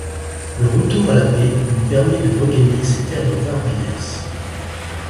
Le retour à la paix lui permet de regagner ses terres de Warvillers.